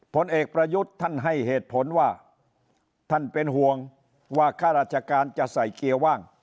ผลเอกประยุทธ์ท่านให้เหตุผลว่าท่านเป็นห่วงว่าข้าราชการจะใส่เกียร์ว่าง